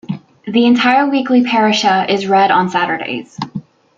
The entire weekly parashah is read on Saturdays.